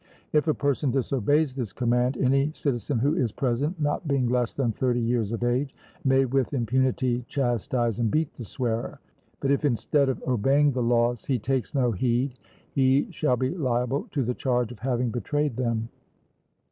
If a person disobeys this command, any citizen who is present, not being less than thirty years of age, may with impunity chastise and beat the swearer, but if instead of obeying the laws he takes no heed, he shall be liable to the charge of having betrayed them.